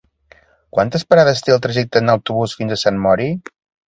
Quantes parades té el trajecte en autobús fins a Sant Mori?